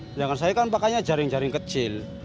sedangkan saya kan pakainya jaring jaring kecil